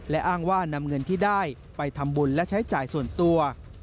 และอ้างว่านำเงินที่ได้ไปทำบุญและใช้จ่ายส่วนตัว